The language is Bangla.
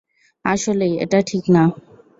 আসলেই -এটা ঠিক না।